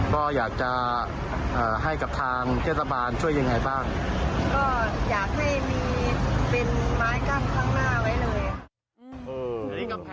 ก็อยากให้มีเป็นไม้กล้ามข้างหน้าไว้เลย